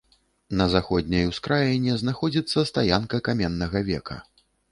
На заходняй ускраіне знаходзіцца стаянка каменнага века.